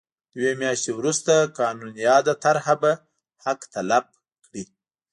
دوه میاشتې وروسته قانون یاده طرحه به حق تلف کړي.